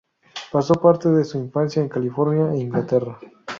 Pasó parte de su infancia en California e Inglaterra.